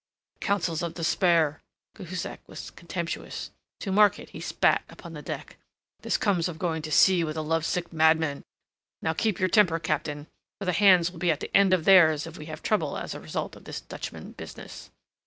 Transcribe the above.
"Counsels of despair." Cahusac was contemptuous. To mark it he spat upon the deck. "This comes of going to sea with a lovesick madman. Now, keep your temper, Captain, for the hands will be at the end of theirs if we have trouble as a result of this Dutchman business."